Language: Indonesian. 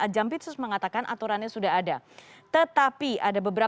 jambi terus mengatakan aturannya sudah ada